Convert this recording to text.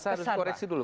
saya harus koreksi dulu